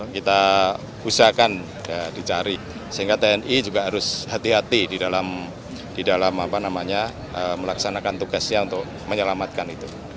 kita usahakan dicari sehingga tni juga harus hati hati di dalam melaksanakan tugasnya untuk menyelamatkan itu